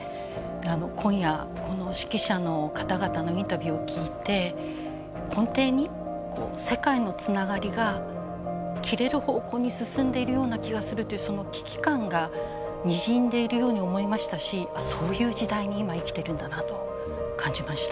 今夜この識者の方々のインタビューを聞いて根底に世界のつながりが切れる方向に進んでいるような気がするというその危機感がにじんでいるように思いましたしそういう時代に今生きているんだなと感じました。